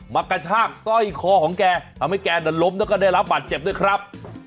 กระชากสร้อยคอของแกทำให้แกน่ะล้มแล้วก็ได้รับบาดเจ็บด้วยครับ